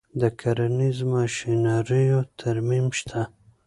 د کرنیزو ماشینریو ترمیم شته